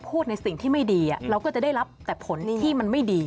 พูดในสิ่งที่ไม่ดีเราก็จะได้รับแต่ผลที่มันไม่ดี